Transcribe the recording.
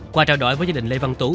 qua trao đổi với gia đình lê văn tú